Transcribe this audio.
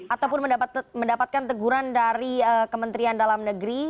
ataupun mendapatkan teguran dari kementerian dalam negeri